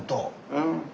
うん。